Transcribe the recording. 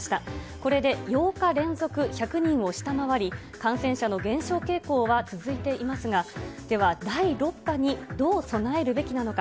これで８日連続１００人を下回り、感染者の減少傾向は続いていますが、では、第６波にどう備えるべきなのか。